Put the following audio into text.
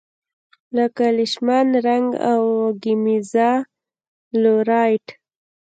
لکه لیشمان رنګ او ګیمزا لو رایټ.